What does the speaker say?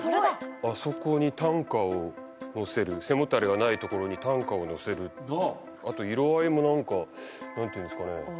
あそこに担架を乗せる背もたれがないところに担架を乗せるあと色合いも何か何ていうんですかね